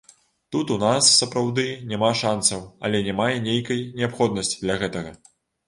Тут у нас, сапраўды, няма шансаў, але няма і нейкай неабходнасці для гэтага.